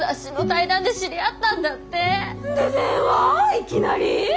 いきなりぃ？